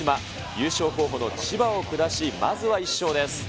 優勝候補の千葉を下し、まずは１勝です。